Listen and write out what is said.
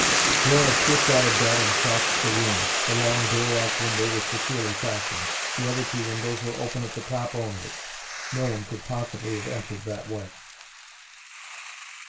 Dora slipped out of bed and crossed the room. The long door like window was securely fastened. The other two windows were open at the top only. No one could possibly have entered that way.